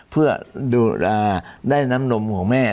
เพื่อได้น้ำนมของแม่